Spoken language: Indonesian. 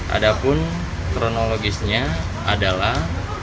ada pun kronologisnya adalah